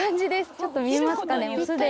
ちょっと見えますかね？